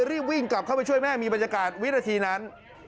รีบวิ่งกลับเข้าไปช่วยแม่มีบรรยากาศวินาทีนั้น